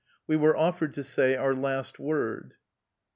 We were offered to say our " last word."